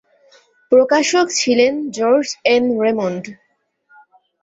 প্রকাশক ছিলেন George N Raymond.